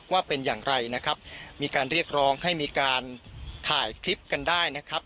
ว่าเป็นอย่างไรนะครับมีการเรียกร้องให้มีการถ่ายคลิปกันได้นะครับ